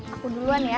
aku duluan ya